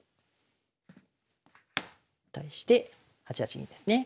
対して８八銀ですね。